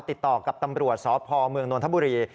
ติดต่อกับตำรวจสพเมืองนทบุรี